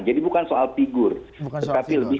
jadi bukan soal figur tetapi lebih